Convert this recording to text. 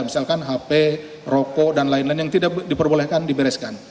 misalkan hp rokok dan lain lain yang tidak diperbolehkan dibereskan